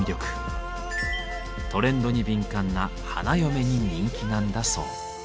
トレンドに敏感な花嫁に人気なんだそう。